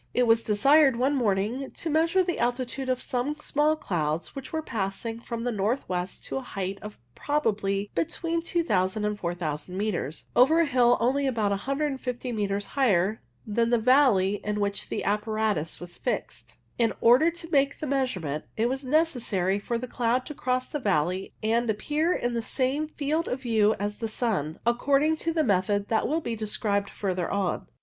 It was desired one morning to s 130 WAVE CLOUDS measure the altitude of some small clouds which were passing from the north west at a height of probably between 2000 and 4000 metres, over a hill only about 150 metres higher than the valley in which the apparatus was fixed. In order to make the measurement, it was necessary for the cloud to cross the valley and appear in the same field of view as the sun, according to the method that will be described further on.